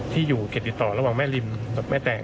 ที่อยู่เขตติดต่อระหว่างแม่ริมกับแม่แตง